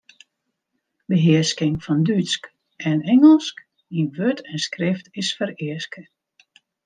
Behearsking fan Dútsk en Ingelsk yn wurd en skrift is fereaske.